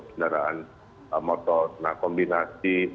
kendaraan motor nah kombinasi